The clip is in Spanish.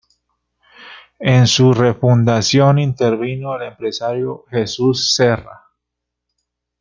En su refundación intervino el empresario Jesús Serra.